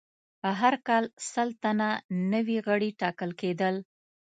هر کال سل تنه نوي غړي ټاکل کېدل.